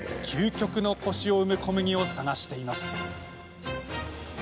究極のコシを生む小麦を探しています。